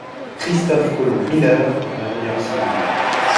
Chistophe Colomb Miller est ingénieur civil.